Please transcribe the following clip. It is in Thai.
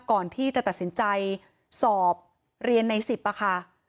ก่อนที่จะตัดสินใจสอบเรียนใน๑๐ค่ะ